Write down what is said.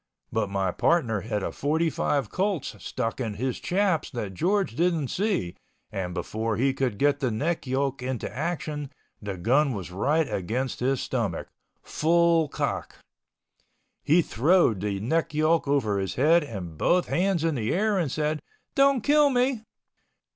But my partner had a forty five Colts stuck in his chaps that George didn't see and before he could get the neck yoke into action, the gun was right against his stomach—full cock. He throwed the neck yoke over his head and both hands in the air and said, "Don't kill me."